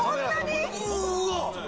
うわ！